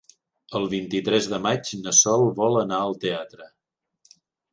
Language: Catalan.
El vint-i-tres de maig na Sol vol anar al teatre.